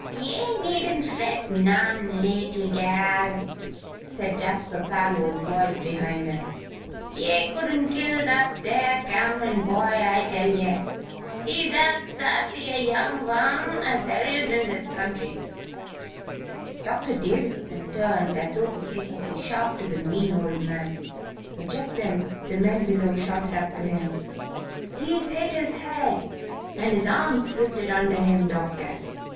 "Ye needn't fret none, leetle gal," said Jasper Parloe's voice, behind her. "Ye couldn't kill that there Cameron boy, I tell ye! He is as sassy a young'un as there is in this county." Doctor Davison turned as though to say something sharp to the mean old man; but just then the men below shouted up to him: "He's hit his head and his arm's twisted under him, Doctor.